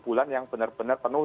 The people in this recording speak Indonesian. bulan yang benar benar penuh